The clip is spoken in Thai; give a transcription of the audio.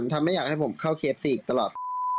มันทำให้อยากให้ผมเข้าเคปซีอีกตลอด